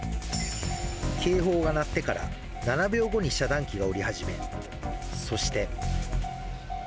警報が鳴ってから７秒後に遮断機が下り始め、そして。